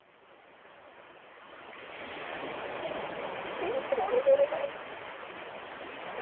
もう気持ちボロボロだよ。